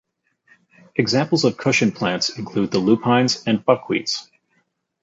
Examples of cushion plants include the lupines and buckwheats.